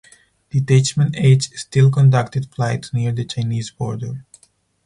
Detachment H still conducted flights near the Chinese border.